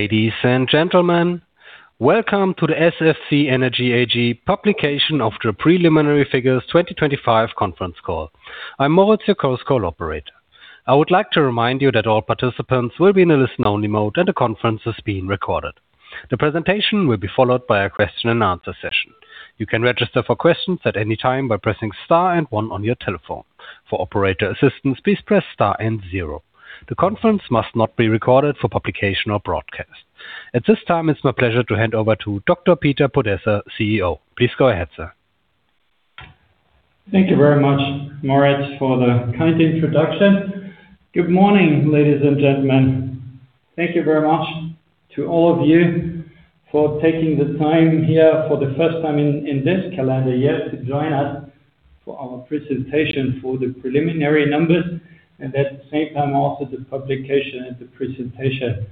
Ladies and gentlemen, welcome to the SFC Energy AG Publication of the Preliminary Figures 2025 Conference Call. I'm Moritz, your Chorus Cl operator. I would like to remind you that all participants will be in a listen-only mode, and the conference is being recorded. The presentation will be followed by a question-and-answer session. You can register for questions at any time by pressing star and one on your telephone. For operator assistance, please press star and zero. The conference must not be recorded for publication or broadcast. At this time, it's my pleasure to hand over to Dr. Peter Podesser, CEO. Please go ahead, sir. Thank you very much, Moritz, for the kind introduction. Good morning, ladies and gentlemen. Thank you very much to all of you for taking the time here for the first time in this calendar year to join us for our presentation, for the preliminary numbers, and at the same time, also the publication and the presentation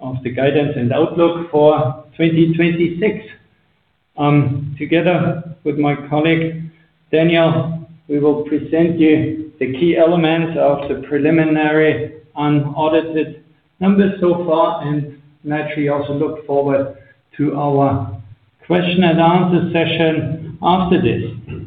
of the guidance and outlook for 2026. Together with my colleague, Daniel, we will present you the key elements of the preliminary unaudited numbers so far, and naturally, also look forward to our question-and-answer session after this.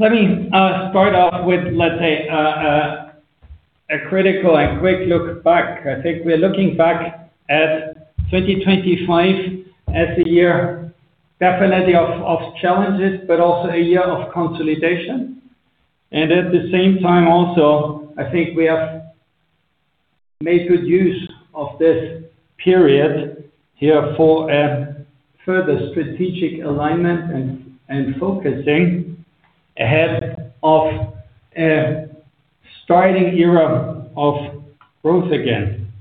Let me start off with, let's say, a critical and quick look back. I think we're looking back at 2025 as a year, definitely of challenges, but also a year of consolidation. At the same time also, I think we have made good use of this period here for a further strategic alignment and focusing ahead of a starting era of growth again.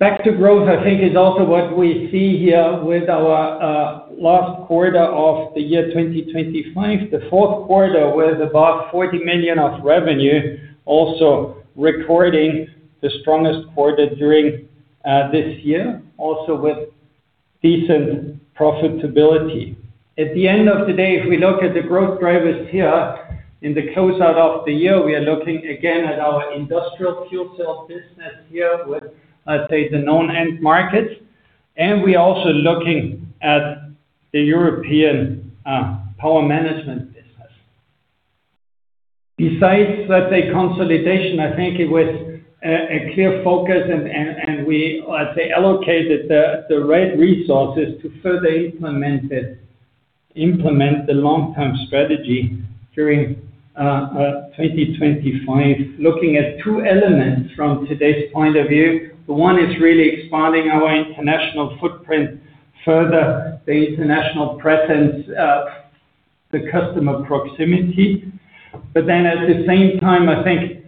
Back to growth, I think, is also what we see here with our last quarter of the year 2025. The fourth quarter was about 40 million of revenue, also recording the strongest quarter during this year, also with decent profitability. At the end of the day, if we look at the growth drivers here in the closeout of the year, we are looking again at our industrial fuel cell business here with, let's say, the known end markets, and we're also looking at the European Power Management business. Besides, let's say, consolidation, I think it was a clear focus and we, I'd say, allocated the right resources to further implement it, implement the long-term strategy during 2025, looking at two elements from today's point of view. The one is really expanding our international footprint further, the international presence, the customer proximity. At the same time, I think,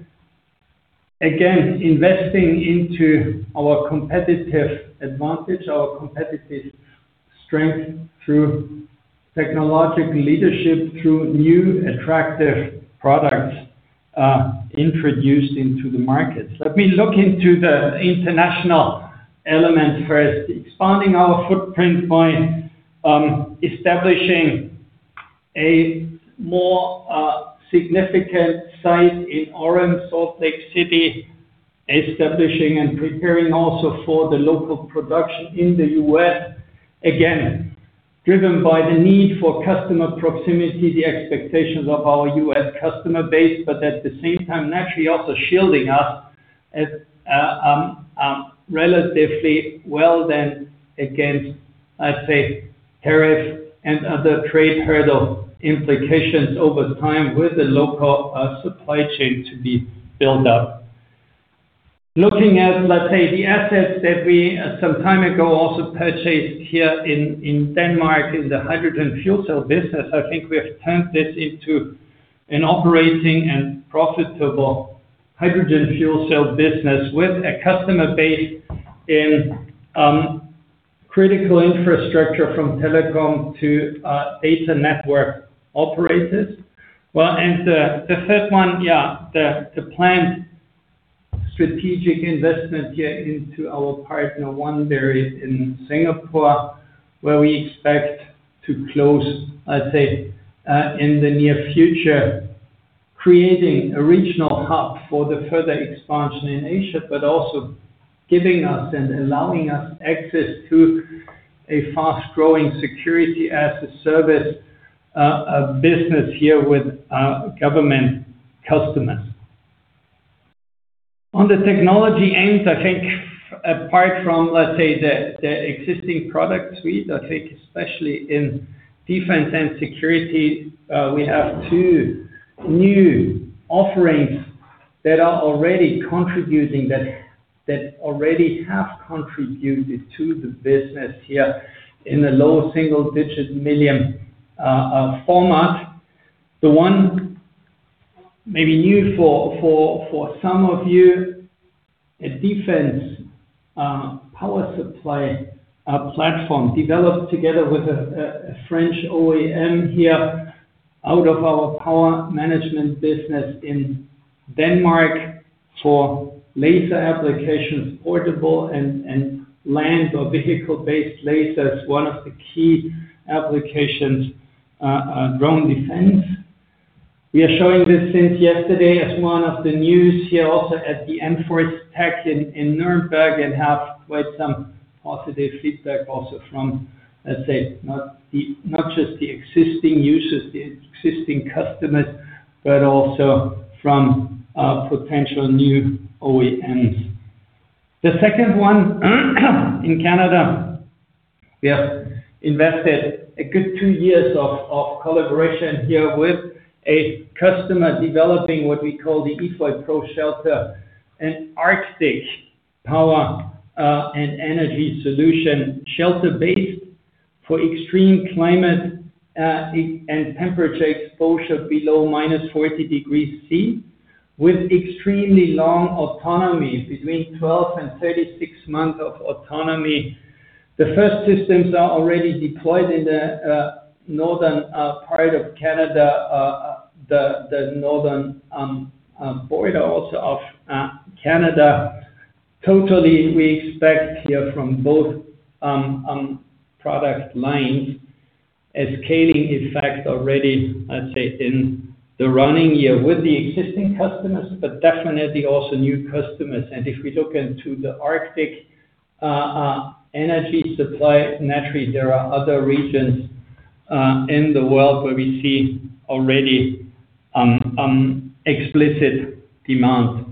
again, investing into our competitive advantage, our competitive strength through technological leadership, through new attractive products introduced into the markets. Let me look into the international element first. Expanding our footprint by establishing a more significant site in Orem, Salt Lake City, establishing and preparing also for the local production in the U.S. Driven by the need for customer proximity, the expectations of our U.S. customer base, but at the same time, naturally, also shielding us as relatively well then against, I'd say, tariff and other trade hurdle implications over time with the local supply chain to be built up. Looking at, let's say, the assets that we, some time ago, also purchased here in Denmark, in the hydrogen fuel cell business, I think we have turned this into an operating and profitable hydrogen fuel cell business with a customer base in critical infrastructure from telecom to data network operators. The third one, yeah, the, the planned strategic investment here into our partner, Oneberry Technologies, in Singapore, where we expect to close, I'd say, in the near future, creating a regional hub for the further expansion in Asia, also giving us and allowing us access to a fast-growing Security-as-a-Service business here with government customers. On the technology end, I think apart from, let's say, the, the existing product suite, I think especially in defense and security, we have two new offerings that are already contributing, that already have contributed to the business here in the low single-digit million format. The one maybe new for some of you, a defense power supply platform developed together with a French OEM here out of our Power Management business in Denmark for laser applications, portable and land or vehicle-based lasers. One of the key applications, drone defense. We are showing this since yesterday as one of the news here, also at the Enforce Tac in Nuremberg, and have quite some positive feedback also from, let's say, not just the existing users, the existing customers, but also from potential new OEMs. The second one, in Canada, we have invested a good two years of collaboration here with a customer developing what we call the EFOY Pro Shelter, an Arctic power and energy solution, shelter-based for extreme climate and temperature exposure below minus 40 degrees Celsius, with extremely long autonomy, between 12 and 36 months of autonomy. The first systems are already deployed in the northern part of Canada, the northern border also of Canada. Totally, we expect here from both product lines, a scaling effect already, I'd say, in the running year with the existing customers, but definitely also new customers. If we look into the Arctic energy supply, naturally, there are other regions in the world where we see already explicit demand.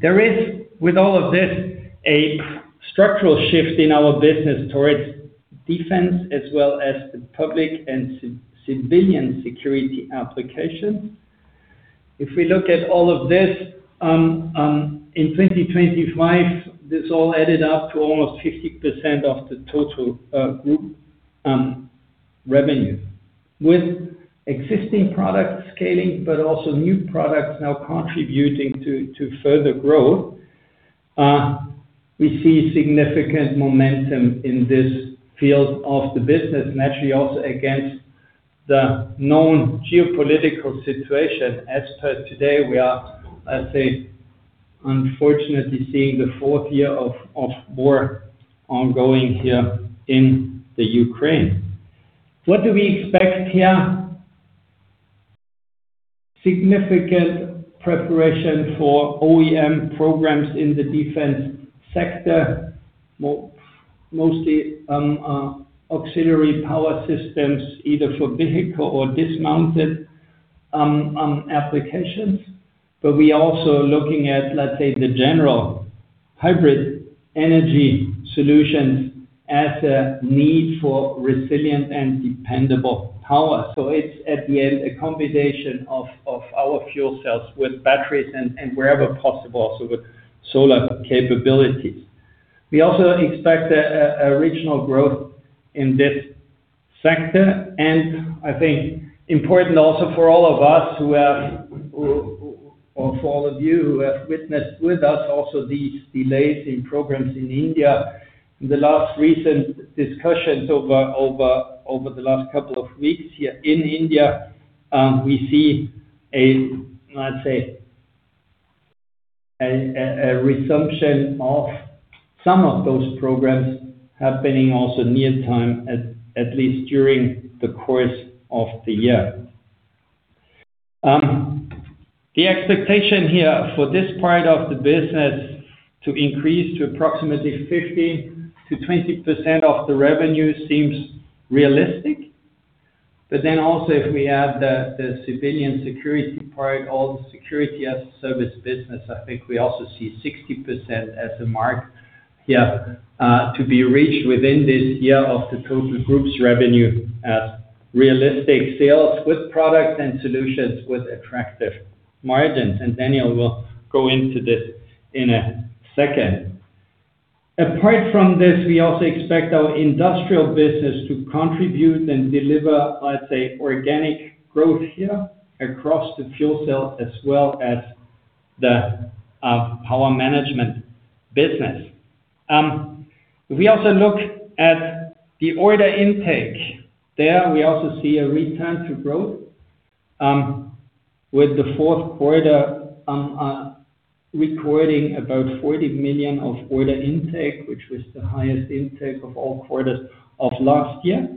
There is, with all of this, a structural shift in our business towards defense as well as the public and civilian security application. If we look at all of this, in 2025, this all added up to almost 50% of the total group revenue. With existing product scaling, but also new products now contributing to further growth, we see significant momentum in this field of the business, naturally, also against the known geopolitical situation. As per today, we are, I'd say, unfortunately, seeing the fourth year of war ongoing here in Ukraine. What do we expect here? Significant preparation for OEM programs in the defense sector, mostly auxiliary power systems, either for vehicle or dismounted applications. We are also looking at, let's say, the general hybrid energy solutions as a need for resilient and dependable power. It's, at the end, a combination of our fuel cells with batteries and wherever possible, also with solar capabilities. We also expect a regional growth in this sector. I think important also for all of us who have, or for all of you who have witnessed with us also these delays in programs in India. In the last recent discussions over the last couple of weeks here in India, we see a, let's say, a resumption of some of those programs happening also near time, at least during the course of the year. The expectation here for this part of the business to increase to approximately 15%-20% of the revenue seems realistic. Also, if we add the, the civilian security part, all the Security-as-a-Service business, I think we also see 60% as a mark here, to be reached within this year of the total group's revenue as realistic sales with products and solutions with attractive margins, and Daniel will go into this in a second. Apart from this, we also expect our industrial business to contribute and deliver, let's say, organic growth here across the fuel cell, as well as the Power Management business. If we also look at the order intake, there we also see a return to growth, with the fourth quarter, recording about 40 million of order intake, which was the highest intake of all quarters of last year.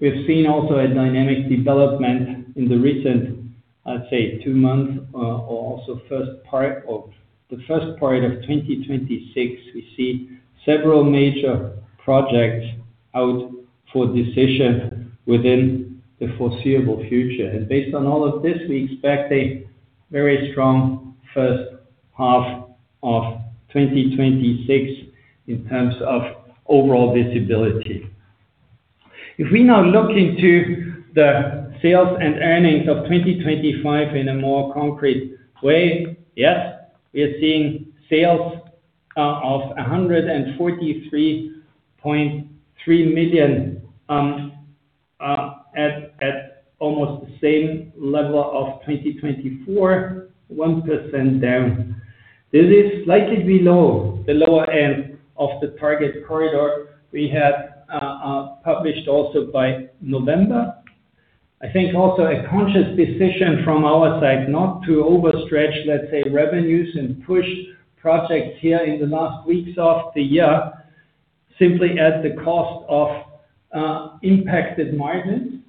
We've seen also a dynamic development in the recent, I'd say, two months, or also the first part of 2026, we see several major projects out for decision within the foreseeable future. Based on all of this, we expect a very strong first half of 2026 in terms of overall visibility. If we now look into the sales and earnings of 2025 in a more concrete way, yes, we are seeing sales of EUR 143.3 million at almost the same level of 2024, 1% down. This is slightly below the lower end of the target corridor we had published also by November. I think also a conscious decision from our side not to overstretch, let's say, revenues and push projects here in the last weeks of the year simply at the cost of impacted margins.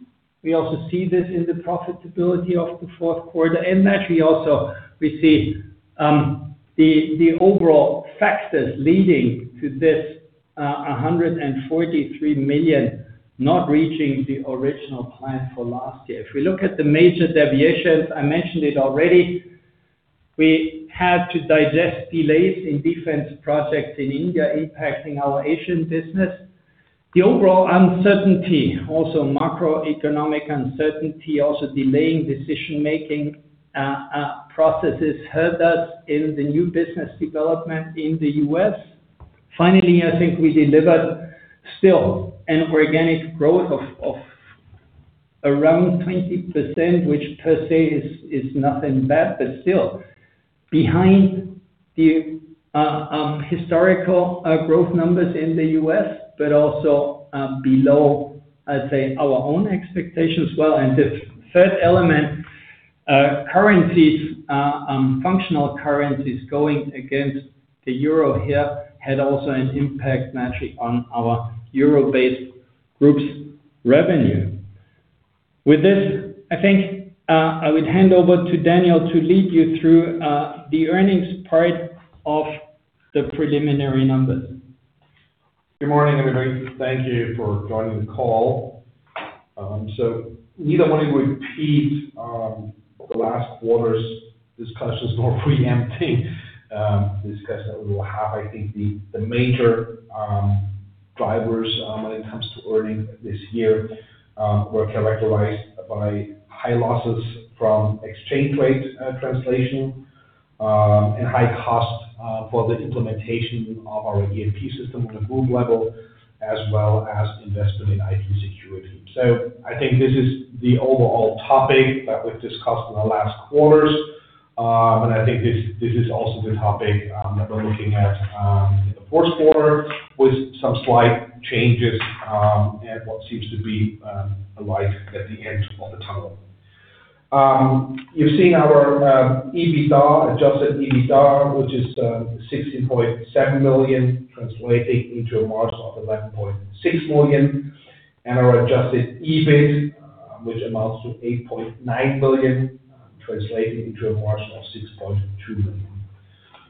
We also see this in the profitability of the fourth quarter, and naturally also, we see the overall factors leading to this 143 million not reaching the original plan for last year. If we look at the major deviations, I mentioned it already, we had to digest delays in defense projects in India, impacting our Asian business. The overall uncertainty, also macroeconomic uncertainty, also delaying decision-making, processes, hurt us in the new business development in the U.S. Finally, I think we delivered still an organic growth of around 20%, which per se is nothing bad, but still behind the historical growth numbers in the U.S., but also below, I'd say, our own expectations as well. The third element, currencies, functional currencies going against the euro here had also an impact naturally on our euro-based group's revenue. With this, I think, I would hand over to Daniel to lead you through the earnings part of the preliminary numbers. Good morning, everybody. Thank you for joining the call. Neither want to repeat the last quarter's discussions or preempting discussion that we will have. I think the major drivers when it comes to earnings this year were characterized by high losses from exchange rate translation and high costs for the implementation of our ERP system on a group level, as well as investment in IT security. I think this is the overall topic that we've discussed in the last quarters. I think this is also the topic that we're looking at in the first quarter, with some slight changes, and what seems to be a light at the end of the tunnel. You've seen our EBITDA, Adjusted EBITDA, which is 16.7 million, translating into a margin of 11.6 million, and our Adjusted EBIT, which amounts to 8.9 million, translating into a margin of 6.2 million.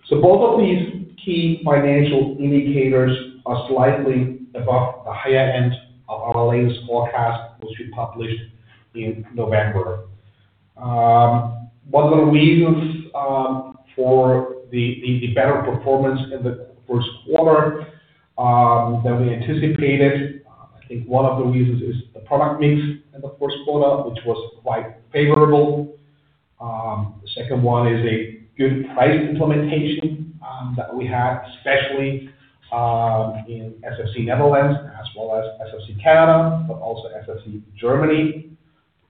Both of these key financial indicators are slightly above the higher end of our latest forecast, which we published in November. One of the reasons for the better performance in the first quarter than we anticipated, I think one of the reasons is the product mix in the first quarter, which was quite favorable. The second one is a good price implementation that we had, especially in SFC Netherlands as well as SFC Canada, but also SFC Germany.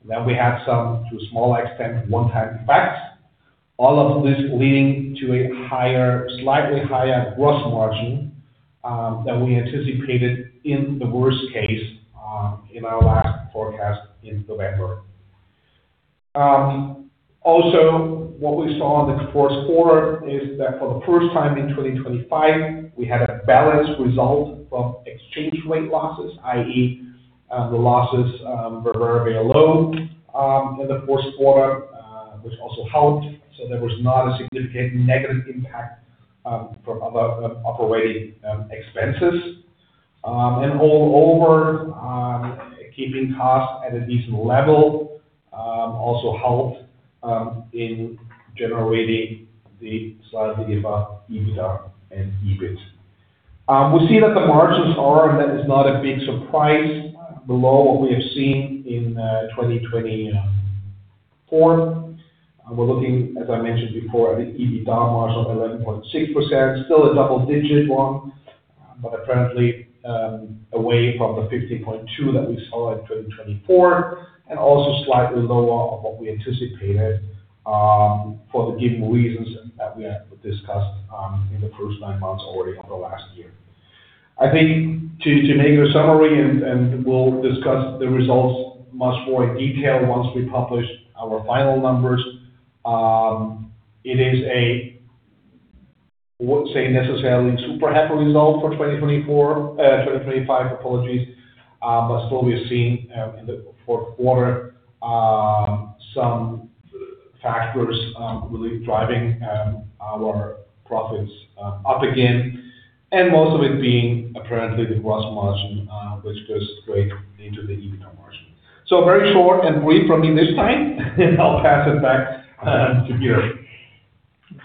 We had some, to a small extent, one-time effects. All of this leading to a higher, slightly higher gross margin than we anticipated in the worst case in our last forecast in November. What we saw in the first quarter is that for the first time in 2025, we had a balanced result from exchange rate losses, i.e., the losses were very low in the first quarter, which also helped. There was not a significant negative impact from other operating expenses. All over, keeping costs at a decent level also helped in generating the slightly above EBITDA and EBIT. We see that the margins are, and that is not a big surprise, below what we have seen in 2024. We're looking, as I mentioned before, at an EBITDA margin of 11.6%, still a double-digit one, but apparently, away from the 15.2% that we saw in 2024, and also slightly lower of what we anticipated for the given reasons that we have discussed in the first nine months already of the last year. I think to make a summary, and we'll discuss the results much more in detail once we publish our final numbers. It is a, I wouldn't say necessarily super happy result for 2024, 2025, apologies, but still we've seen in the fourth quarter some factors really driving our profits up again, and most of it being apparently the gross margin, which goes straight into the EBITDA margin. Very short and brief from me this time, and I'll pass it back, to Peter.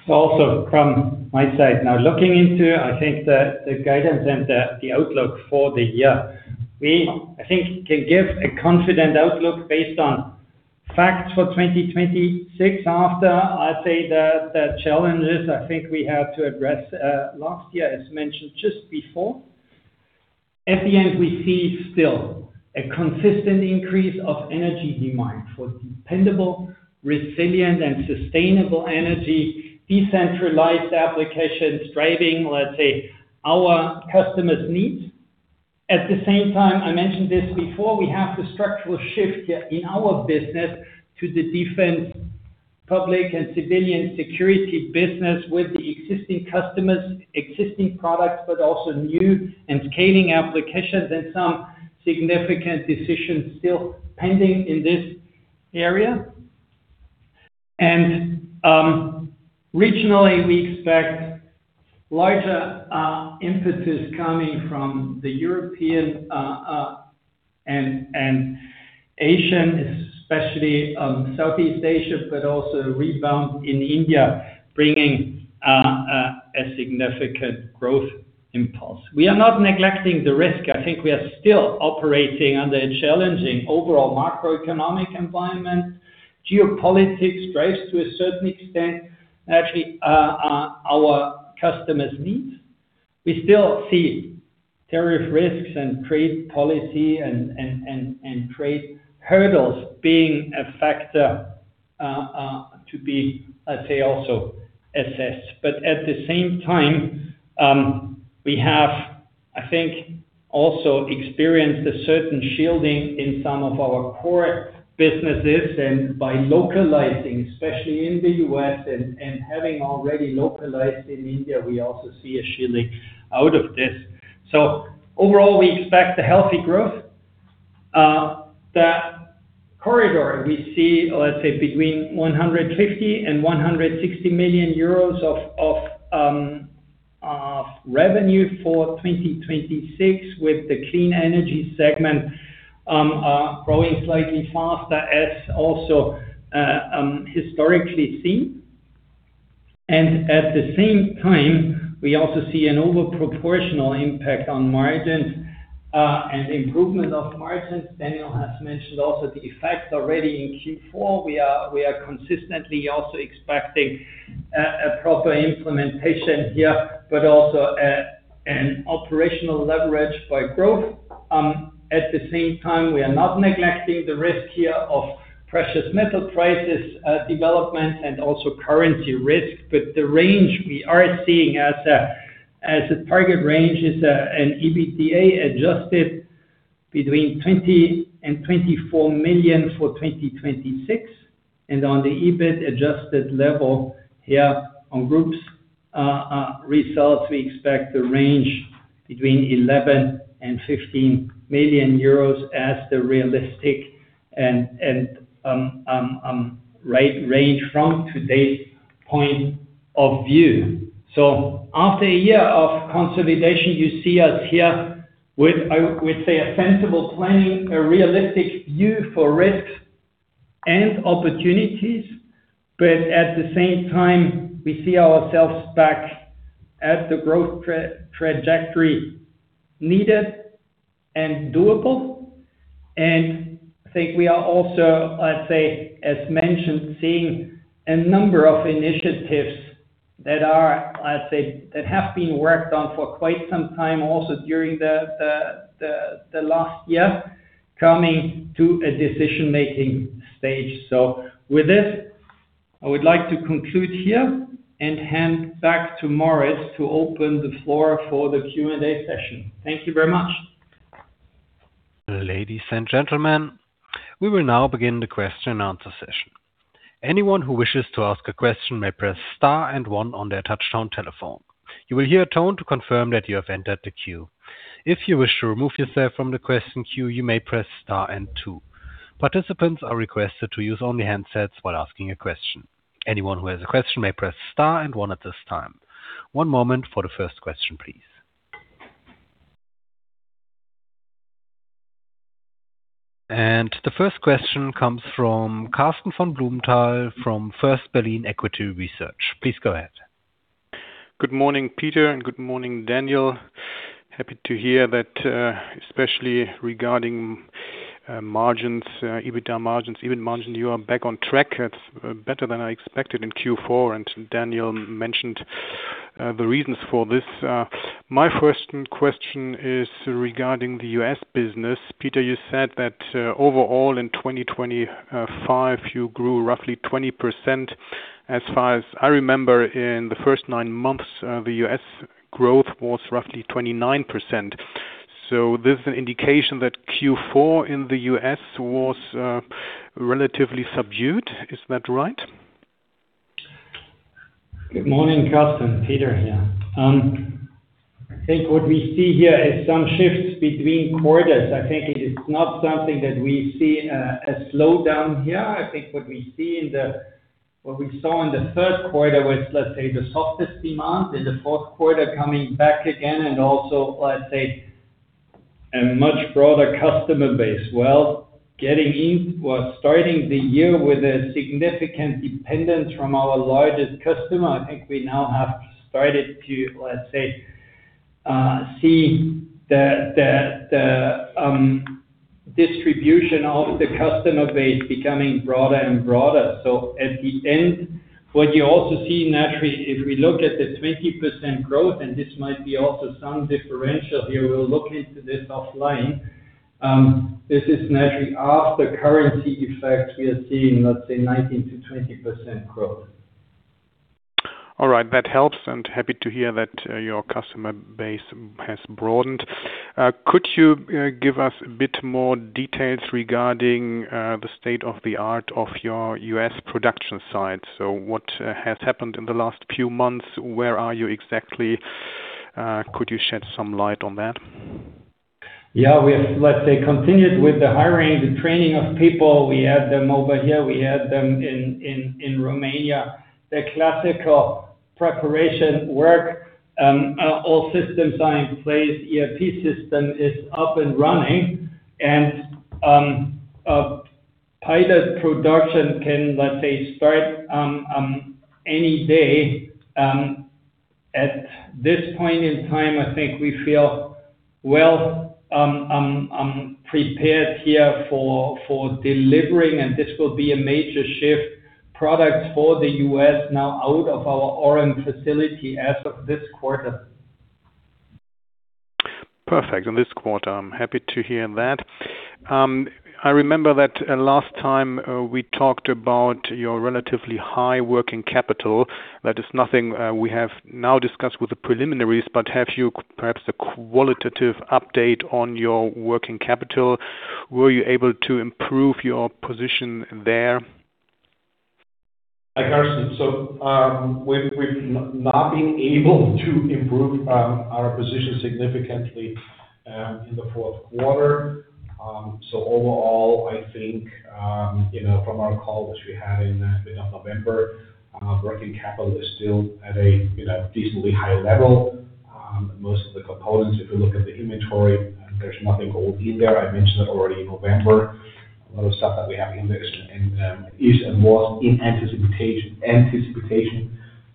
Also from my side. Now, looking into, I think, the, the guidance and the, the outlook for the year, we, I think, can give a confident outlook based on facts for 2026. After I say the, the challenges I think we have to address, last year, as mentioned just before. At the end, we see still a consistent increase of energy demand for dependable, resilient, and sustainable energy, decentralized applications driving, let's say, our customers' needs. At the same time, I mentioned this before, we have the structural shift in our business to the public and civilian security business with the existing customers, existing products, but also new and scaling applications and some significant decisions still pending in this area. Regionally, we expect larger emphasis coming from the European and Asian, especially Southeast Asia, but also a rebound in India, bringing a significant growth impulse. We are not neglecting the risk. I think we are still operating under a challenging overall macroeconomic environment. Geopolitics drives to a certain extent, actually, our customers' needs. We still see tariff risks and trade policy and trade hurdles being a factor to be, let's say, also assessed. At the same time, we have, I think, also experienced a certain shielding in some of our core businesses, and by localizing, especially in the U.S., and having already localized in India, we also see a shielding out of this. Overall, we expect a healthy growth. The corridor we see, let's say, between 150 million and 160 million euros of revenue for 2026, with the Clean Energy segment growing slightly faster, as also historically seen. At the same time, we also see an overproportional impact on margins and improvement of margins. Daniel has mentioned also the effect already in Q4. We are consistently also expecting a proper implementation here, but also an operational leverage by growth. At the same time, we are not neglecting the risk here of precious metal prices development and also currency risk. The range we are seeing as a target range is an EBITDA Adjusted between 20 million and 24 million for 2026. On the EBIT adjusted level here on groups results, we expect the range between 11 million and 15 million euros as the realistic and range from today's point of view. After a year of consolidation, you see us here with, I would say, a sensible planning, a realistic view for risks and opportunities. At the same time, we see ourselves back at the growth trajectory needed and doable. I think we are also, I'd say, as mentioned, seeing a number of initiatives that are, I'd say, that have been worked on for quite some time, also during the last year, coming to a decision-making stage. With this, I would like to conclude here and hand back to Moritz to open the floor for the Q&A session. Thank you very much. Ladies and gentlemen, we will now begin the question-and-answer session. Anyone who wishes to ask a question may press star and one on their touch-tone telephone. You will hear a tone to confirm that you have entered the queue. If you wish to remove yourself from the question queue, you may press star and two. Participants are requested to use only handsets while asking a question. Anyone who has a question may press star and one at this time. One moment for the first question, please. The first question comes from Karsten von Blumenthal from First Berlin Equity Research. Please go ahead. Good morning, Peter, and good morning, Daniel. Happy to hear that, especially regarding margins, EBITDA margins, even margin, you are back on track. It's better than I expected in Q4, and Daniel mentioned the reasons for this. My first question is regarding the U.S. business. Peter, you said that overall in 2025, you grew roughly 20%. As far as I remember, in the first nine months, the U.S. growth was roughly 29%. This is an indication that Q4 in the U.S. was relatively subdued. Is that right? Good morning, Karsten. Peter here. I think what we see here is some shifts between quarters. I think it is not something that we see a slowdown here. I think what we saw in the third quarter was, let's say, the softest demand in the fourth quarter, coming back again and also, let's say, a much broader customer base. Well, getting in or starting the year with a significant dependence from our largest customer, I think we now have started to, let's say, see the distribution of the customer base becoming broader and broader. At the end, what you also see, naturally, if we look at the 20% growth, and this might be also some differential, we will look into this offline. This is naturally after currency effect, we are seeing, let's say, 19%-20% growth. All right, that helps, happy to hear that, your customer base has broadened. Could you give us a bit more details regarding the state of the art of your U.S. production site? What has happened in the last few months? Where are you exactly? Could you shed some light on that? Yeah, we have, let's say, continued with the hiring, the training of people. We had them over here, we had them in Romania. The classical preparation work, all systems are in place, ERP system is up and running. Pilot production can, let's say, start any day. At this point in time, I think we feel well prepared here for delivering, and this will be a major shift, products for the U.S. now out of our Orem facility as of this quarter. Perfect, in this quarter. I'm happy to hear that. I remember that, last time, we talked about your relatively high working capital. That is nothing, we have now discussed with the preliminaries, but have you perhaps a qualitative update on your working capital? Were you able to improve your position there? Hi, Karsten. We've not been able to improve our position significantly in the fourth quarter. Overall, I think, you know, from our call, which we had in mid of November, working capital is still at a, you know, decently high level. Most of the components, if you look at the inventory, there's nothing old in there. I mentioned it already in November. A lot of stuff that we have in there is and was in anticipation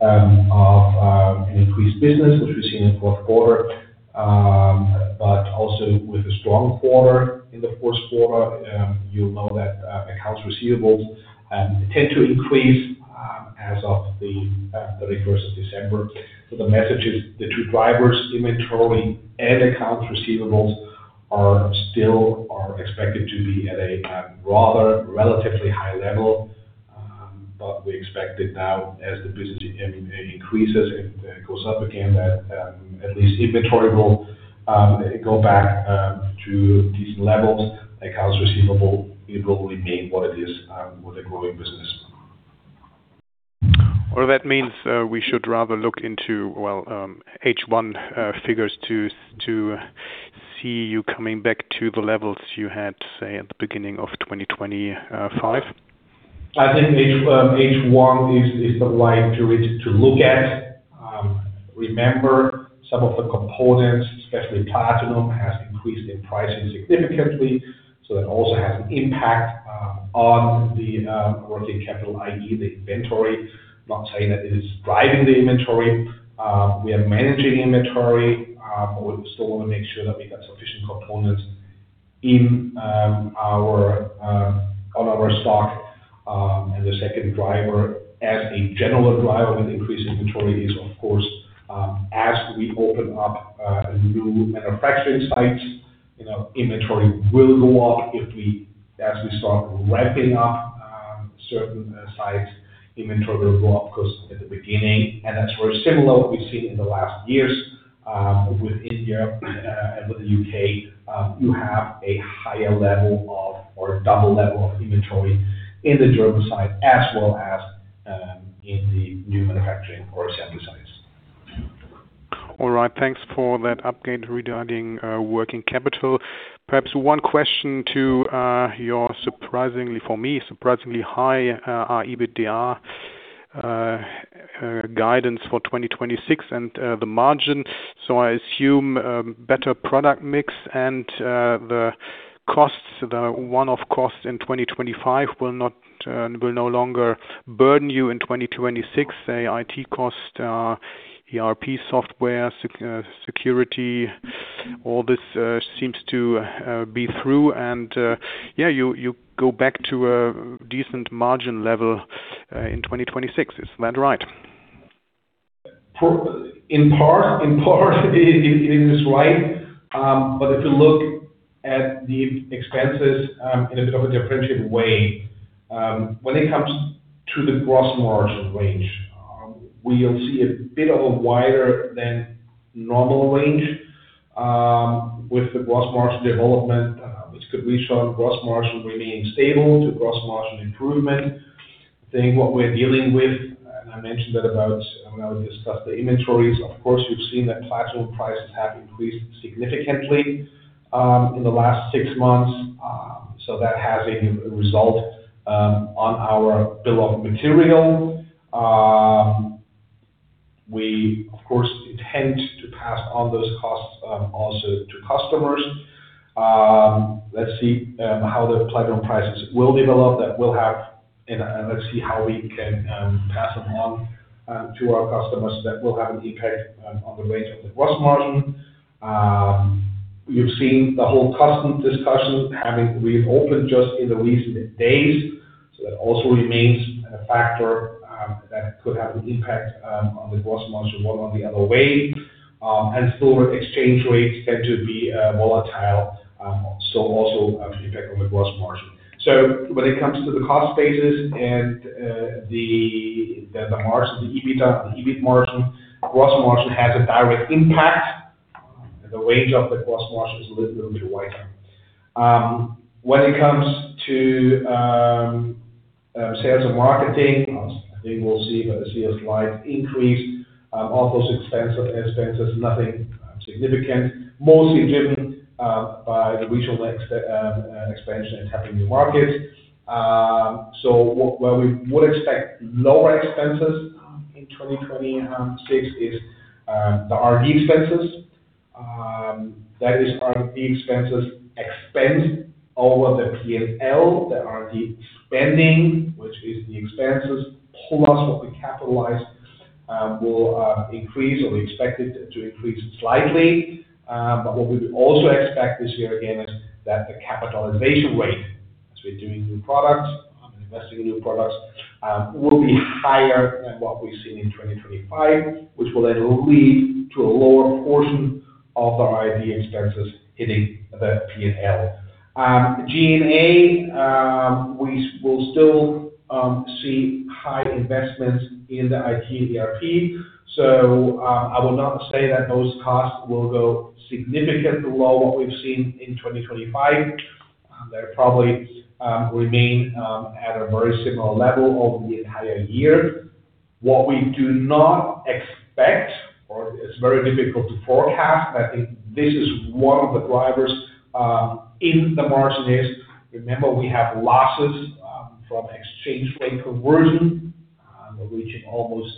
of an increased business, which we've seen in the fourth quarter. Also with a strong quarter in the fourth quarter, you'll know that accounts receivables tend to increase as of the 31st of December. The message is, the two drivers, inventory and accounts receivable, are expected to be at a rather relatively high level. We expect it now, as the business increases and goes up again, that at least inventory will go back to decent levels. Accounts receivable will probably be what it is with a growing business. That means we should rather look into, well, H1 figures to see you coming back to the levels you had, say, at the beginning of 2025? I think H1 is the right to look at. Remember, some of the components, especially platinum, has increased in pricing significantly, that also has an impact on the working capital, i.e., the inventory. I'm not saying that it is driving the inventory. We are managing inventory, we still want to make sure that we got sufficient components in our on our stock. The second driver, as a general driver with increased inventory, is of course, as we open up new manufacturing sites, you know, inventory will go up as we start ramping up certain sites, inventory will go up because at the beginning, and that's very similar to what we've seen in the last years, with India, and with the U.K. You have a higher level of, or a double level of inventory in the German site, as well as, in the new manufacturing or assembly sites. All right. Thanks for that update regarding working capital. Perhaps one question to your surprisingly, for me, surprisingly high EBITDA guidance for 2026 and the margin. I assume better product mix and the costs, the one-off costs in 2025 will not will no longer burden you in 2026. Say, IT cost, ERP, software, security, all this seems to be through and, yeah, you, you go back to a decent margin level in 2026. Is that right? For, in part, it is right. If you look at the expenses, in a bit of a differentiated way, when it comes to the gross margin range, we will see a bit of a wider than normal range, with the gross margin development, which could reach on gross margin remaining stable to gross margin improvement. I think what we're dealing with, and I mentioned that about when I was discussing the inventories, of course, you've seen that platinum prices have increased significantly, in the last six months. That has a result, on our bill of material. We, of course, intend to pass on those costs, also to customers. Let's see, how the platinum prices will develop, that will have... Let's see how we can pass them on to our customers. That will have an impact on the range of the gross margin. You've seen the whole custom discussion having reopened just in the recent days, so that also remains a factor that could have an impact on the gross margin, one or the other way. Still, exchange rates tend to be volatile, so also an impact on the gross margin. When it comes to the cost basis and the margin, the EBIT margin, gross margin has a direct impact. The range of the gross margin is a little bit wider. When it comes to sales and marketing, as I think we'll see by the CEO slide, increase of those expenses, nothing significant. Mostly driven by the regional expansion and tapping new markets. Where we would expect lower expenses in 2026 is the R&D expenses. That is R&D expenses expense over the P&L. The R&D spending, which is the expenses, plus what we capitalize, will increase, or we expect it to increase slightly. What we also expect this year, again, is that the capitalization rate, as we're doing new products, investing in new products, will be higher than what we've seen in 2025, which will then lead to a lower portion of our R&D expenses hitting the P&L. G&A, we will still see high investments in the IT and ERP. I will not say that those costs will go significantly below what we've seen in 2025. They're probably remain at a very similar level over the entire year. What we do not expect, or it's very difficult to forecast, but I think this is one of the drivers in the margin, is remember, we have losses from exchange rate conversion reaching almost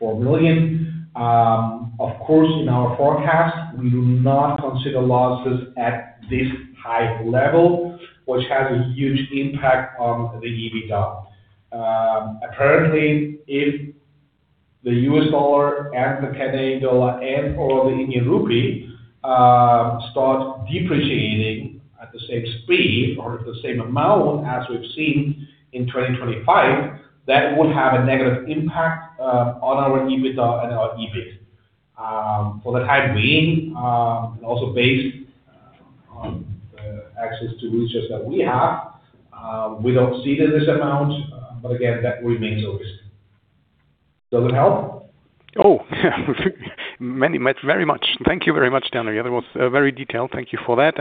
4 million. Of course, in our forecast, we do not consider losses at this high level, which has a huge impact on the EBITDA. Apparently, if the U.S. dollar and the Canadian dollar and/or the Indian rupee start depreciating at the same speed or the same amount as we've seen in 2025, that would have a negative impact on our EBITDA and our EBIT. For the time being, and also based on the access to resources that we have, we don't see this amount, but again, that remains a risk. Does it help? Oh, many, much, very much. Thank you very much, Daniel. Yeah, that was very detailed. Thank you for that.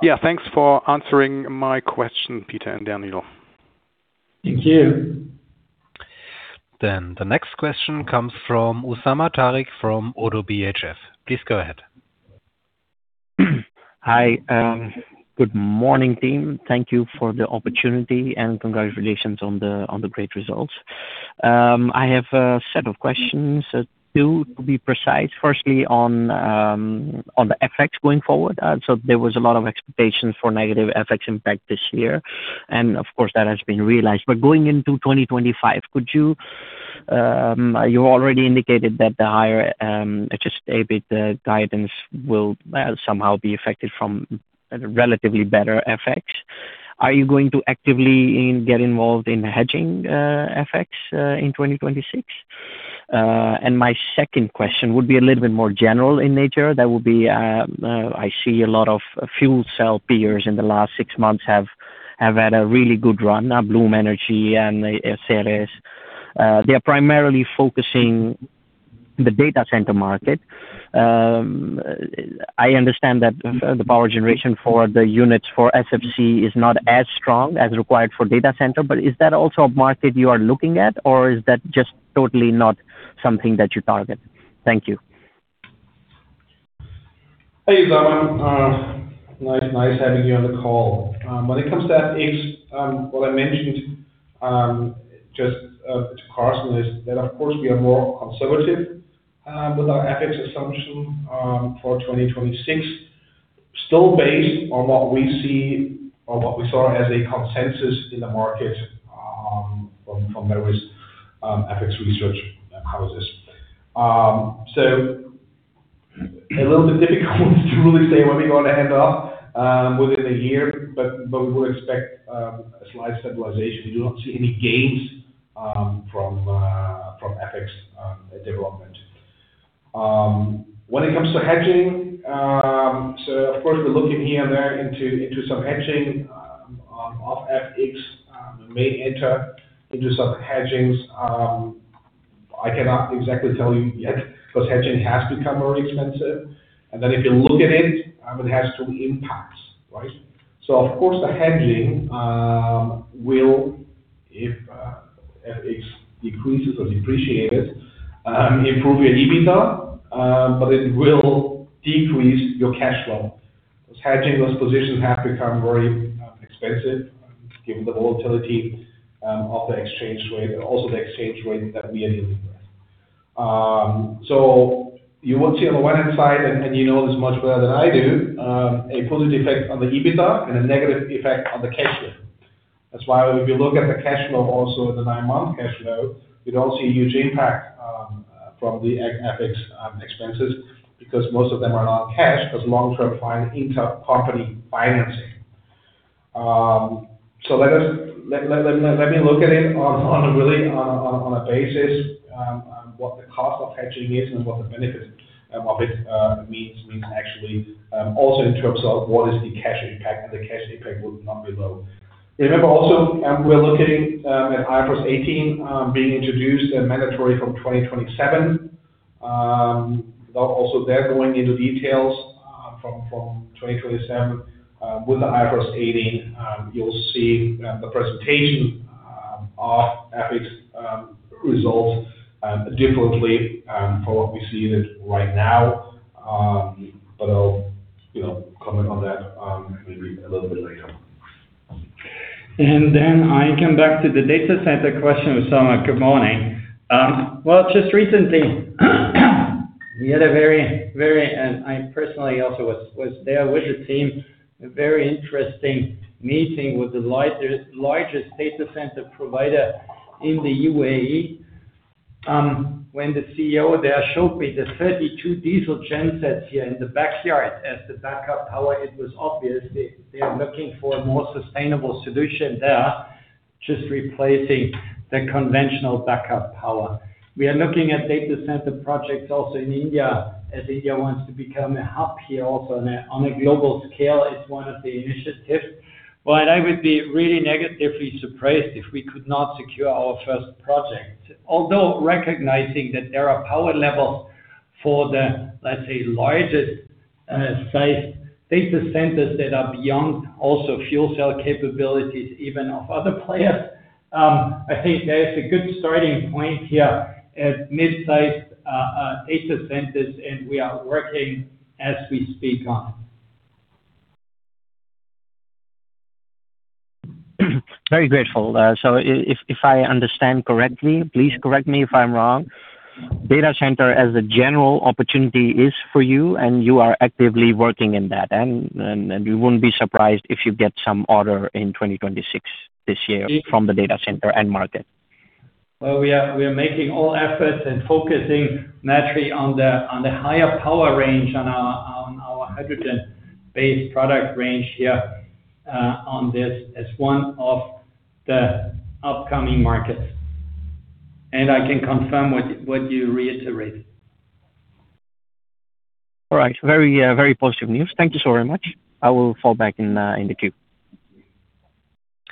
Yeah, thanks for answering my question, Peter and Daniel. Thank you. The next question comes from Usama Tariq, from ODDO BHF. Please go ahead. Hi, good morning, team. Thank you for the opportunity, congratulations on the great results. I have a set of questions, two, to be precise. Firstly, on the FX going forward. There was a lot of expectation for negative FX impact this year, and of course, that has been realized. Going into 2025, could you? You already indicated that the higher Adjusted EBIT guidance will somehow be affected from a relatively better FX. Are you going to actively get involved in hedging FX in 2026? My second question would be a little bit more general in nature. That would be, I see a lot of fuel cell peers in the last six months have had a really good run, Bloom Energy and Ceres. They are primarily focusing the data center market. I understand that the power generation for the units for SFC is not as strong as required for data center, but is that also a market you are looking at, or is that just totally not something that you target? Thank you. Hey, Usama. nice, nice having you on the call. When it comes to FX, what I mentioned just to Karsten, is that, of course, we are more conservative with our FX assumption for 2026. Based on what we see or what we saw as a consensus in the market from various FX research houses. A little bit difficult to really say where we're going to end up within a year, but we would expect a slight stabilization. We do not see any gains from FX development. When it comes to hedging, of course, we're looking here and there into some hedging of FX. We may enter into some hedgings. I cannot exactly tell you yet, because hedging has become very expensive, if you look at it, it has two impacts, right? Of course, the hedging will, if FX decreases or depreciated, improve your EBITDA, but it will decrease your cash flow. Hedging those positions have become very expensive, given the volatility of the exchange rate and also the exchange rate that we are dealing with. You will see, on the one hand side, and, and you know this much better than I do, a positive effect on the EBITDA and a negative effect on the cash flow. That's why if you look at the cash flow, also the nine-month cash flow, you don't see a huge impact from the FX expenses, because most of them are not cash, but long-term fine intercompany financing. Let us, let me look at it on a really, on a basis on what the cost of hedging is and what the benefits of it means to us. Actually, also in terms of what is the cash impact, and the cash impact will not be low. Remember also, we're looking at IFRS 18 being introduced and mandatory from 2027. Also there, going into details, from 2027, with the IFRS 18, you'll see the presentation of results differently from what we see it right now. I'll, you know, comment on that maybe a little bit later. I come back to the data center question with Soma. Good morning. Well, just recently, we had a very, and I personally also was there with the team, a very interesting meeting with the largest data center provider in the UAE. When the CEO there showed me the 32 diesel gen sets here in the backyard as the backup power, it was obvious they are looking for a more sustainable solution there, just replacing the conventional backup power. We are looking at data center projects also in India, as India wants to become a hub here also on a global scale, it's one of the initiatives. Well, I would be really negatively surprised if we could not secure our first project. Although, recognizing that there are power levels for the, let's say, largest, site, data centers that are beyond also fuel cell capabilities, even of other players. I think there is a good starting point here at mid-sized, data centers, and we are working as we speak on. Very grateful. If I understand correctly, please correct me if I'm wrong. Data center as a general opportunity is for you, and you are actively working in that, and you wouldn't be surprised if you get some order in 2026 this year from the data center end market. Well, we are making all efforts and focusing naturally on the higher power range on our hydrogen-based product range here, on this as one of the upcoming markets. I can confirm what you reiterated. All right. Very, very positive news. Thank you so very much. I will fall back in in the queue.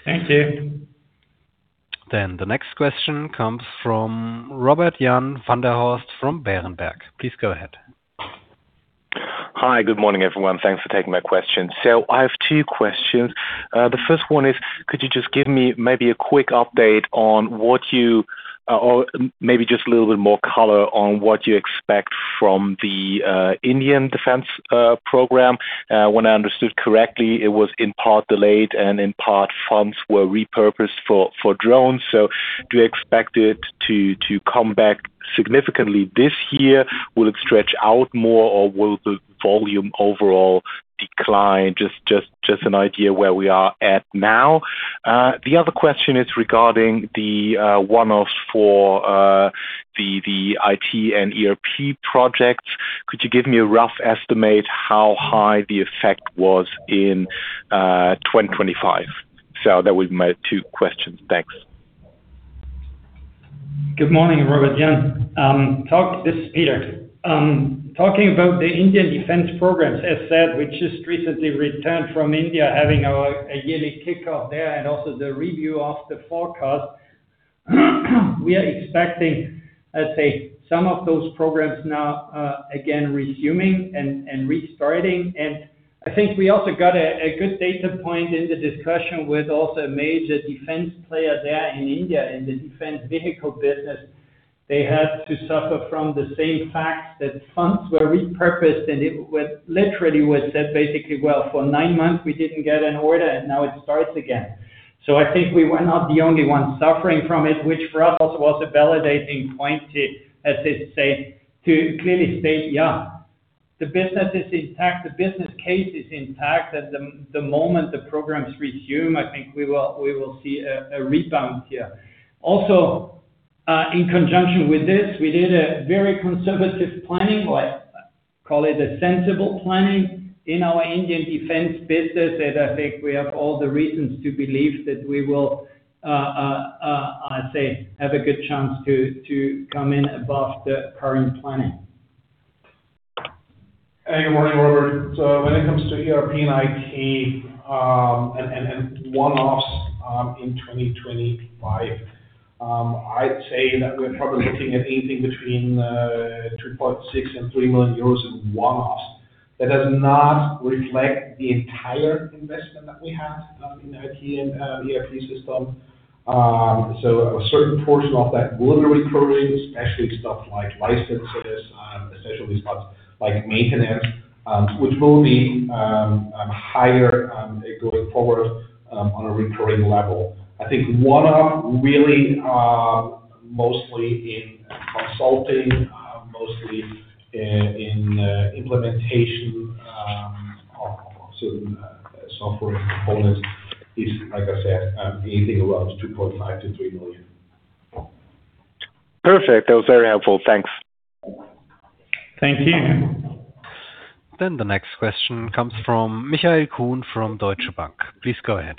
Thank you. The next question comes from Robert-Jan van der Horst from Berenberg. Please go ahead. Hi, good morning, everyone. Thanks for taking my question. I have two questions. The first one is, could you just give me maybe a quick update on what you, or maybe just a little bit more color on what you expect from the Indian defense program? When I understood correctly, it was in part delayed, and in part, funds were repurposed for, for drones. Do you expect it to, to come back significantly this year? Will it stretch out more, or will the volume overall decline? Just an idea where we are at now. The other question is regarding the one-offs for the IT and ERP projects. Could you give me a rough estimate how high the effect was in 2025? That was my two questions. Thanks. Good morning, Robert-Jan. This is Peter. Talking about the Indian defense programs, as said, we just recently returned from India, having our, a yearly kickoff there and also the review of the forecast. We are expecting, let's say, some of those programs now again, resuming and restarting. I think we also got a good data point in the discussion with also a major defense player there in India, in the defense vehicle business. They had to suffer from the same fact that funds were repurposed, and it was literally was said basically, "Well, for nine months, we didn't get an order, and now it starts again." I think we were not the only ones suffering from it, which for us was a validating point to, as they say, to clearly state, "Yeah, the business is intact, the business case is intact. At the moment the programs resume, I think we will see a rebound here. Also, in conjunction with this, we did a very conservative planning, or call it a sensible planning, in our Indian defense business, that I think we have all the reasons to believe that we will, I say, have a good chance to come in above the current planning. Hey, good morning, Robert. When it comes to ERP and IT, one-offs in 2025, I'd say that we're probably looking at anything between 3.6 million and 3 million euros in one-offs. That does not reflect the entire investment that we have in the IT and ERP system. A certain portion of that will recurrent, especially stuff like licenses, especially spots like maintenance, which will be higher going forward on a recurring level. I think one-off, really, mostly in consulting, mostly in implementation of certain software components, is, like I said, anything around 2.5 million-3 million. Perfect. That was very helpful. Thanks. Thank you. The next question comes from Michael Kuhn from Deutsche Bank. Please go ahead.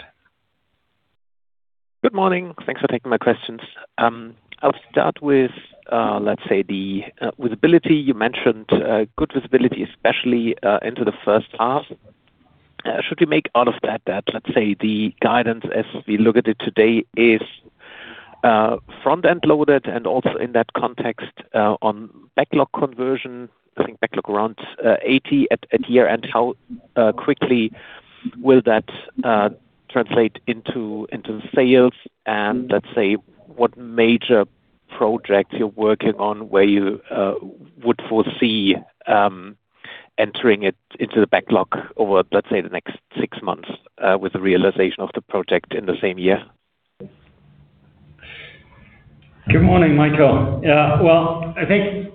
Good morning. Thanks for taking my questions. I'll start with, let's say, the visibility. You mentioned good visibility, especially into the first half. Should we make out of that, that, let's say, the guidance as we look at it today is front-end loaded, and also in that context, on backlog conversion, I think backlog around 80 at year? How quickly will that translate into sales? Let's say, what major project you're working on, where you would foresee entering it into the backlog over, let's say, the next six months, with the realization of the project in the same year? Good morning, Michael. Well, I think,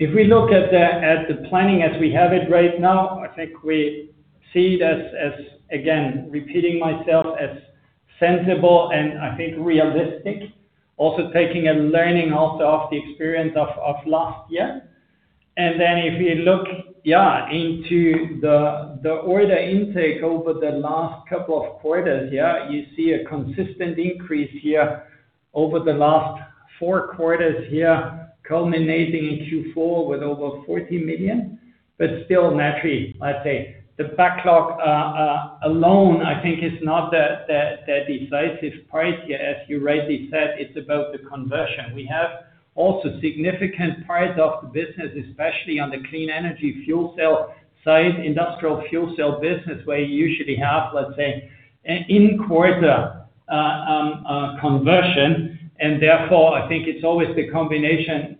if we look at the planning as we have it right now, I think we see it as again, repeating myself, as sensible and I think realistic. Also taking and learning also off the experience of last year. If you look into the order intake over the last couple of quarters here, you see a consistent increase here over the last four quarters here, culminating in Q4 with over 40 million, but still naturally, I'd say the backlog alone, I think, is not the decisive part here. As you rightly said, it's about the conversion. We have also significant parts of the business, especially on the clean energy fuel cell side, industrial fuel cell business, where you usually have, let's say, an in-quarter conversion. Therefore, I think it's always the combination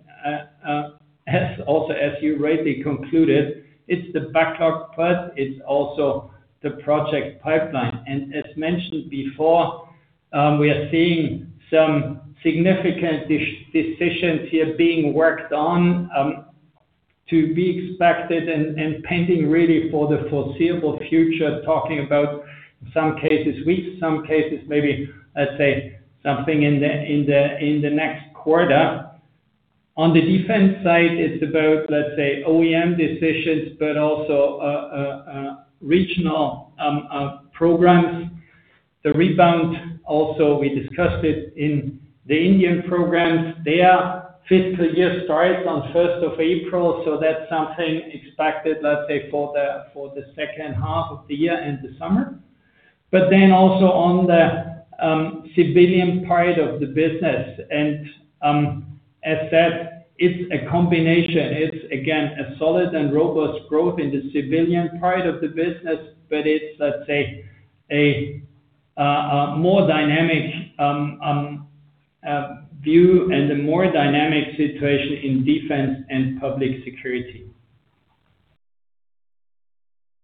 as also as you rightly concluded, it's the backlog, but it's also the project pipeline. As mentioned before, we are seeing some significant decisions here being worked on to be expected and pending really for the foreseeable future. Talking about some cases, weeks, some cases, maybe, let's say, something in the next quarter. On the defense side, it's about, let's say, OEM decisions, but also regional programs. The rebound also, we discussed it in the Indian programs. Their fiscal year starts on 1st of April. That's something expected, let's say, for the second half of the year in the summer. Also on the civilian part of the business, as said, it's a combination. It's, again, a solid and robust growth in the civilian part of the business, but it's, let's say, a more dynamic view and a more dynamic situation in defense and public security.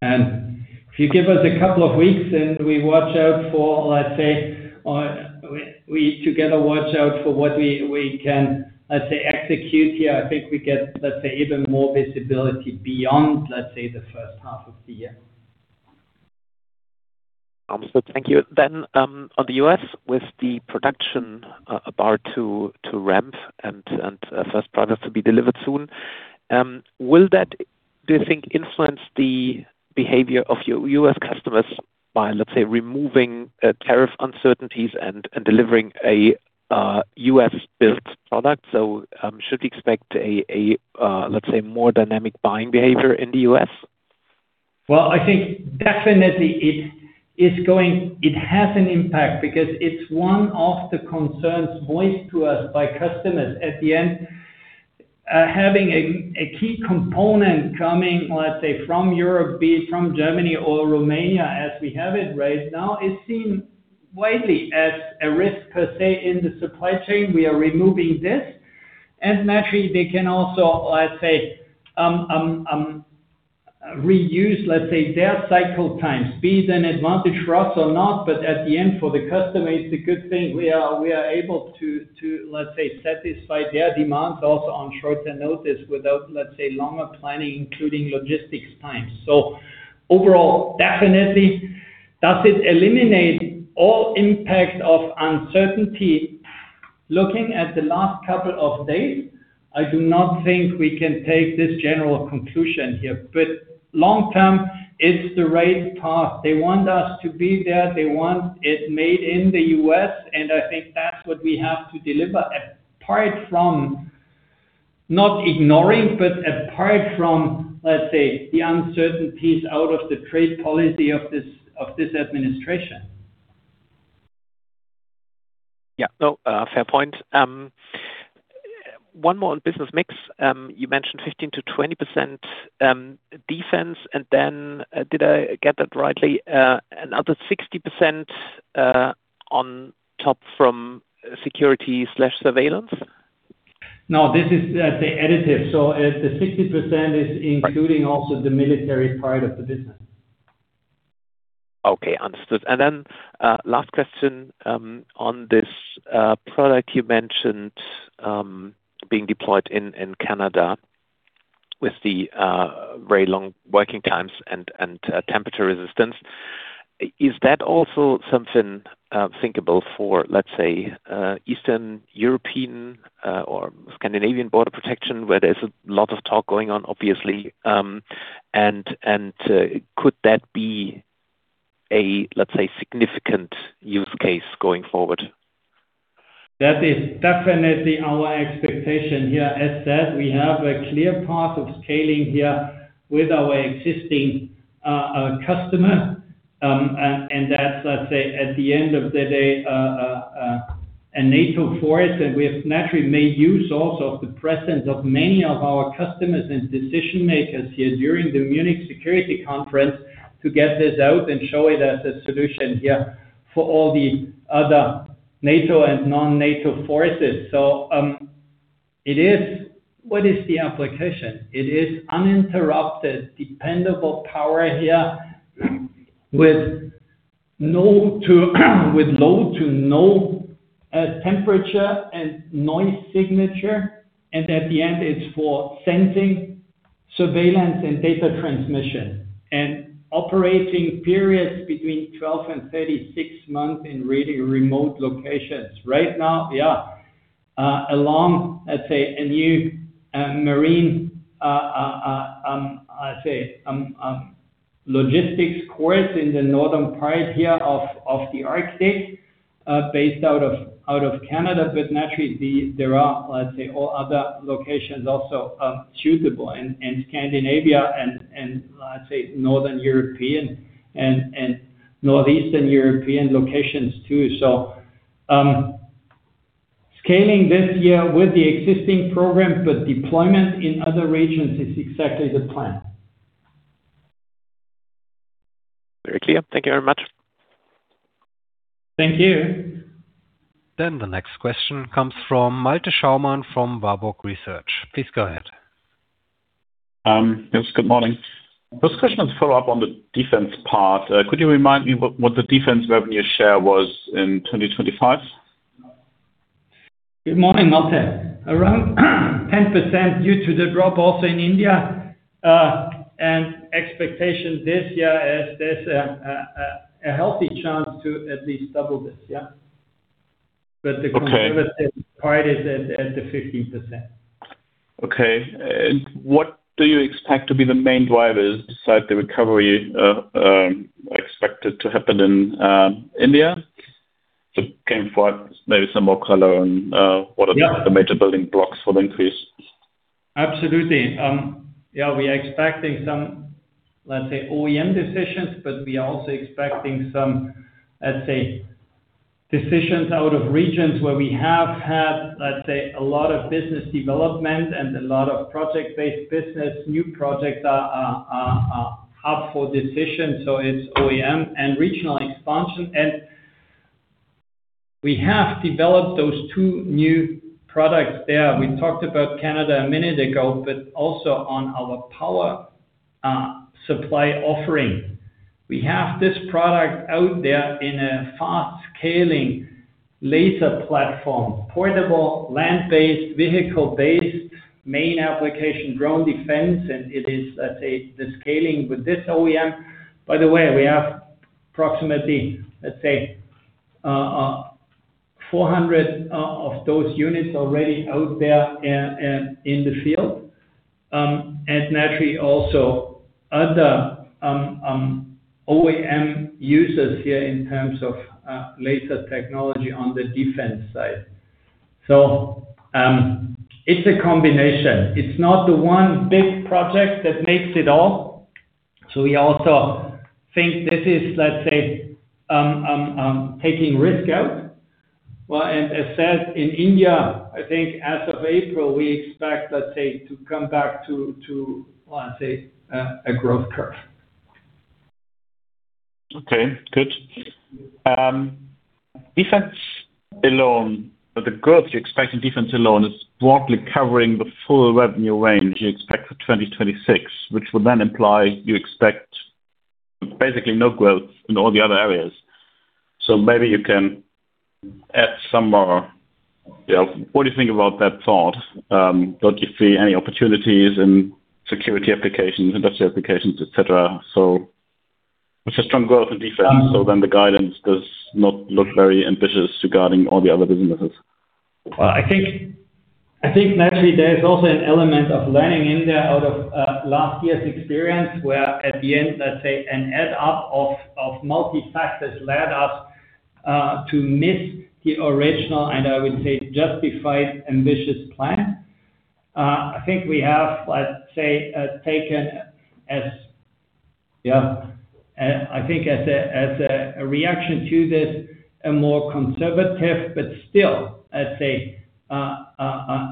If you give us a couple of weeks and we watch out for, let's say, or we, we together watch out for what we, we can, let's say, execute here, I think we get, let's say, even more visibility beyond, let's say, the 1st half of the year. Thank you. On the U.S., with the production about to ramp and first products to be delivered soon, will that, do you think, influence the behavior of your U.S. customers by, let's say, removing tariff uncertainties and delivering a U.S.-built product? Should we expect a, let's say, more dynamic buying behavior in the U.S.? Well, I think definitely it has an impact because it's one of the concerns voiced to us by customers. At the end, having a key component coming, let's say, from Europe, be it from Germany or Romania, as we have it right now, it seems widely as a risk per se in the supply chain. We are removing this, and naturally, they can also, let's say, reuse, let's say, their cycle time, be it an advantage for us or not, but at the end, for the customer, it's a good thing. We are able to, let's say, satisfy their demands also on shorter notice, without, let's say, longer planning, including logistics times. Overall, definitely, does it eliminate all impact of uncertainty? Looking at the last couple of days, I do not think we can take this general conclusion here, but long term, it's the right path. They want us to be there. They want it made in the U.S., and I think that's what we have to deliver, apart from not ignoring, but apart from, let's say, the uncertainties out of the trade policy of this, of this administration. Yeah. No, fair point. One more on business mix. You mentioned 15%-20% defense, and then, did I get that rightly, another 60% on top from security/surveillance? this is, the additive, so, the 60%. Right. including also the military part of the business. Okay, understood. Last question on this product you mentioned being deployed in Canada with the very long working times and temperature resistance. Is that also something thinkable for, let's say, Eastern European or Scandinavian border protection, where there's a lot of talk going on, obviously? Could that be a, let's say, significant use case going forward? That is definitely our expectation here. As said, we have a clear path of scaling here with our existing customer. And that's, let's say, at the end of the day, a NATO force, and we have naturally made use also of the presence of many of our customers and decision-makers here during the Munich Security Conference to get this out and show it as a solution here for all the other NATO and non-NATO forces. What is the application? It is uninterrupted, dependable power here with low to no temperature and noise signature, and at the end, it's for sensing, surveillance, and data transmission, and operating periods between 12 and 36 months in really remote locations. Right now, yeah, along, let's say, a new, marine, I say, logistics course in the northern part here of the Arctic, based out of Canada. Naturally, there are, let's say, all other locations also, suitable, and Scandinavia and I'd say Northern European and Northeastern European locations, too. Scaling this year with the existing program, but deployment in other regions is exactly the plan. Very clear. Thank you very much. Thank you. The next question comes from Malte Schaumann from Warburg Research. Please go ahead. Yes, good morning. This question is a follow-up on the defense part. Could you remind me what the defense revenue share was in 2025? Good morning, Malte. Around, 10% due to the drop also in India, expectation this year is there's a healthy chance to at least double this. Yeah. Okay. The conservative part is at the 15%. Okay. What do you expect to be the main drivers beside the recovery expected to happen in India? Again, maybe some more color on. Yeah. What are the major building blocks for the increase? Absolutely. Yeah, we are expecting some, let's say, OEM decisions, we are also expecting some, let's say, decisions out of regions where we have had, let's say, a lot of business development and a lot of project-based business. New projects are up for decision, it's OEM and regional expansion. We have developed those two new products there. We talked about Canada a minute ago, also on our power supply offering. We have this product out there in a fast-scaling laser platform, portable, land-based, vehicle-based, main application, drone defense, it is, let's say, the scaling with this OEM. By the way, we have approximately, let's say, 400 of those units already out there in the field. Naturally, also, other, OEM users here in terms of laser technology on the defense side. It's a combination. It's not the one big project that makes it all. We also think this is, let's say, taking risk out. Well, as said, in India, I think as of April, we expect, let's say, to come back to, to, let's say, a growth curve. Okay, good. Defense alone, the growth you expect in defense alone is broadly covering the full revenue range you expect for 2026, which would then imply you expect basically no growth in all the other areas. Maybe you can add some more. Yeah, what do you think about that thought? Don't you see any opportunities in security applications, industry applications, et cetera? It's a strong growth in defense, the guidance does not look very ambitious regarding all the other businesses. Well, I think, I think naturally, there is also an element of learning in there out of last year's experience, where at the end, let's say, an add up of, of multifactors led us to miss the original, and I would say, justified ambitious plan. I think we have, let's say, taken as a reaction to this, a more conservative, but still, let's say,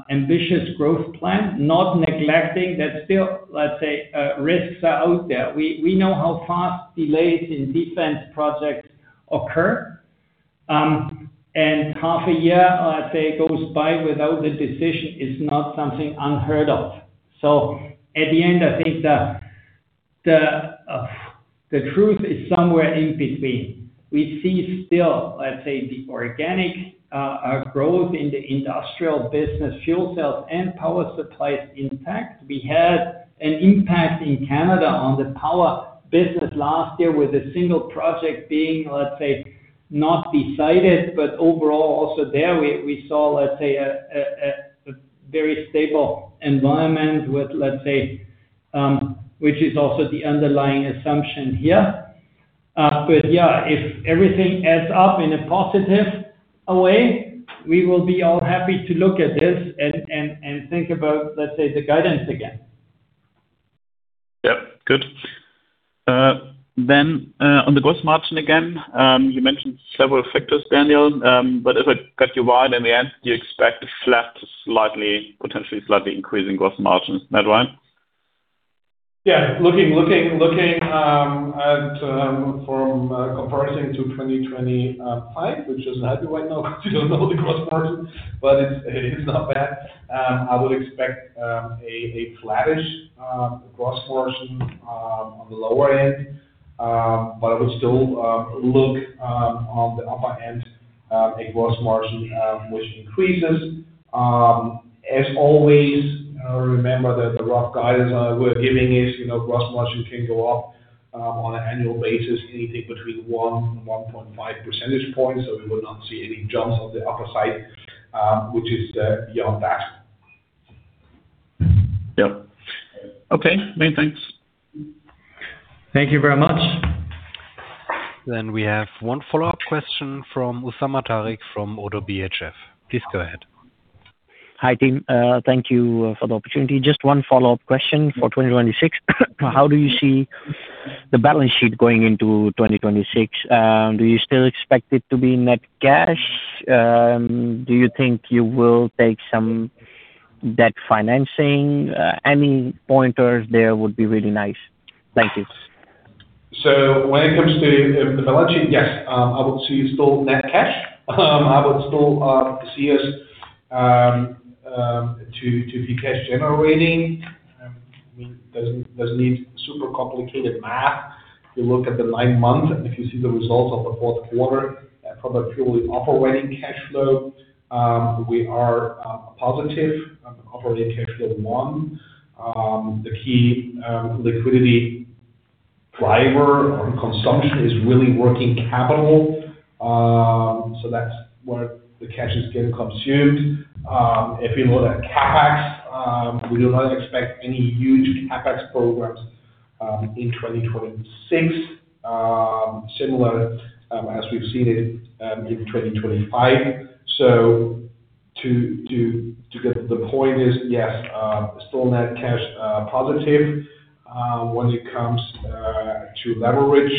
ambitious growth plan, not neglecting that still, let's say, risks are out there. We know how fast delays in defense projects occur, and half a year, let's say, goes by without a decision is not something unheard of. At the end, I think the truth is somewhere in between. We see still the organic growth in the industrial business, fuel cells, and power supplies impact. We had an impact in Canada on the power business last year, with a single project being not decided, but overall, also there we saw a very stable environment with which is also the underlying assumption here. Yeah, if everything adds up in a positive way, we will be all happy to look at this and think about the guidance again. Yep, good. On the gross margin again, you mentioned several factors, Daniel, but if I got you right, in the end, you expect a flat to slightly, potentially slightly increasing gross margin. Is that right? Yeah. Looking, at, from, comparing to 2025, which is hard right now to know the gross margin, but it's not bad. I would expect, a flattish, gross margin, on the lower end, but I would still, look, on the upper end, a gross margin, which increases. As always, remember that the rough guidance, we're giving is, you know, gross margin can go up, on an annual basis, anything between 1 and 1.5 percentage points, so we will not see any jumps on the upper side, which is, beyond that. Yep. Okay, many thanks. Thank you very much. We have one follow-up question from Usama Tariq from ODDO BHF. Please go ahead. Hi, team. Thank you for the opportunity. Just one follow-up question for 2026. How do you see the balance sheet going into 2026? Do you still expect it to be net cash? Do you think you will take some debt financing? Any pointers there would be really nice. Thank you. When it comes to the balance sheet, yes, I would see you still net cash. I would still see us to be cash-generating. Doesn't need super complicated math. You look at the nine months, if you see the results of the fourth quarter from a purely operating cash flow, we are positive on the operating cash flow 1. The key liquidity driver or consumption is really working capital, that's where the cash is getting consumed. If you look at CapEx, we do not expect any huge CapEx programs in 2026, similar as we've seen it in 2025. To get the point is, yes, still net cash positive. When it comes to leverage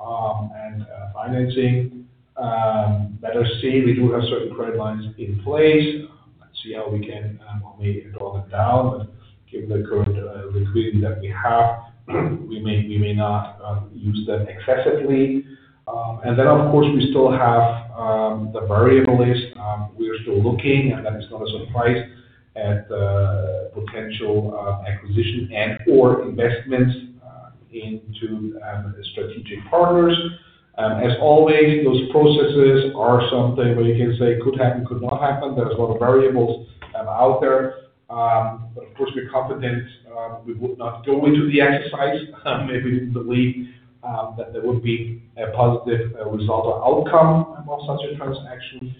and financing, let us see. We do have certain credit lines in place. Let's see how we can maybe draw them down, but given the current liquidity that we have, we may not use them excessively. Of course, we still have the variable list. We are still looking, and that is not a surprise, at the potential acquisition and/or investments into strategic partners. As always, those processes are something where you can say could happen, could not happen. There's a lot of variables out there. Of course, we're confident we would not go into the exercise, maybe we didn't believe that there would be a positive result or outcome of such a transaction.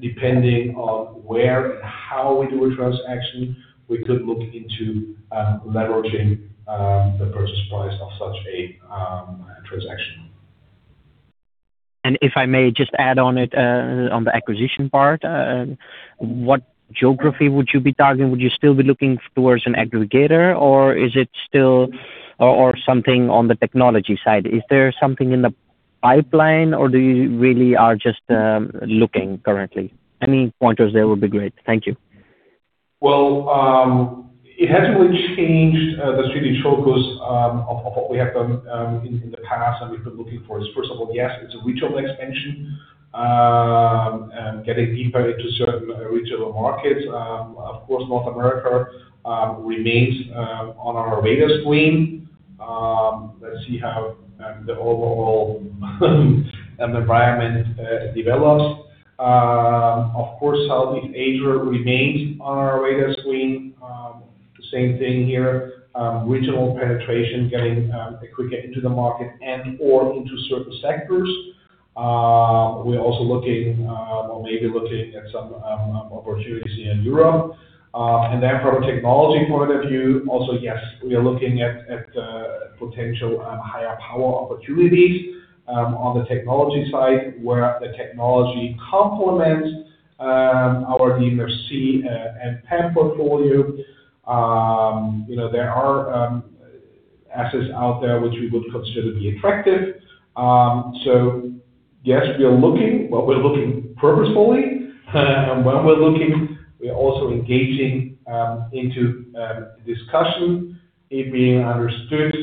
Depending on where and how we do a transaction, we could look into leveraging the purchase price of such a transaction. If I may just add on it, on the acquisition part, what geography would you be targeting? Would you still be looking towards an aggregator, or is it still, or something on the technology side? Is there something in the pipeline, or do you really are just looking currently? Any pointers there would be great. Thank you. Well, it hasn't really changed the strategic focus of what we have done in the past, and we've been looking for is, first of all, yes, it's a retail expansion and getting deeper into certain retail markets. Of course, North America remains on our radar screen. Let's see how the overall environment develops. Of course, Southeast Asia remains on our radar screen. The same thing here, regional penetration, getting a quick get into the market and/or into certain sectors. We're also looking or maybe looking at some opportunities in Europe. Then from a technology point of view, also, yes, we are looking at potential higher power opportunities on the technology side, where the technology complements our DMFC and PEM portfolio. You know, there are assets out there which we would consider to be attractive. Yes, we are looking, but we're looking purposefully. When we're looking, we are also engaging into discussion. It being understood,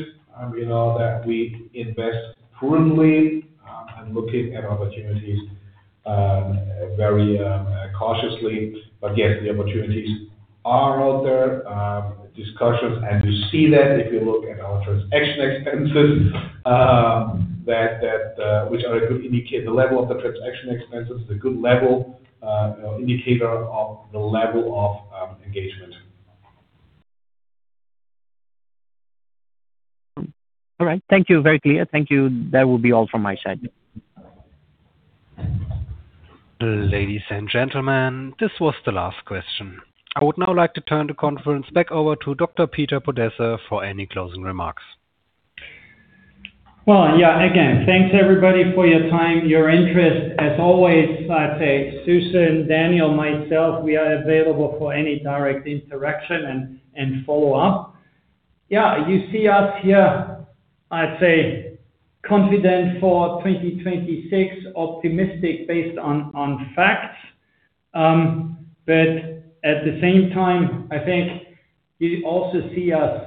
you know, that we invest prudently and looking at opportunities very cautiously. Yes, the opportunities are out there, discussions, and you see that if you look at our transaction expenses, which are a good indicator. The level of the transaction expenses is a good level indicator of the level of engagement. All right. Thank you. Very clear. Thank you. That will be all from my side. Ladies and gentlemen, this was the last question. I would now like to turn the conference back over to Dr. Peter Podesser for any closing remarks. Well, yeah, again, thanks, everybody, for your time, your interest. As always, I'd say, Susan, Daniel, myself, we are available for any direct interaction and follow-up. Yeah, you see us here, I'd say, confident for 2026, optimistic based on facts. At the same time, I think you also see us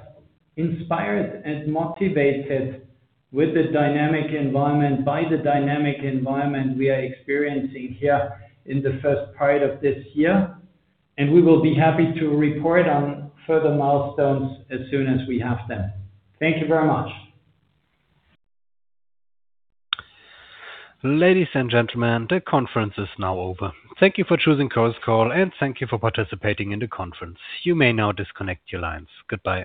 inspired and motivated with the dynamic environment, by the dynamic environment we are experiencing here in the first part of this year. We will be happy to report on further milestones as soon as we have them. Thank you very much. Ladies and gentlemen, the conference is now over. Thank you for choosing Chorus Call, and thank you for participating in the conference. You may now disconnect your lines. Goodbye.